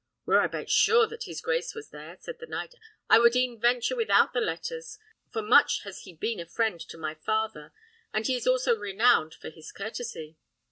"Were I but sure that his grace were there," said the knight, "I would e'en venture without the letters; for much has he been a friend to my father, and he is also renowned for his courtesy."